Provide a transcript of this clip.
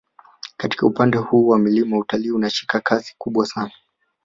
Katika upande huu wa milima utalii unashika kasi kubwa sana